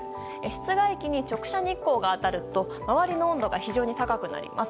室外機に直射日光が当たると周りの温度が非常に高くなります。